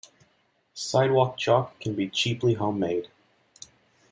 Sidewalk chalk can be cheaply homemade.